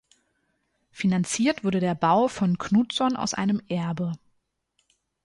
Finanziert wurde der Bau von Knutson aus einem Erbe.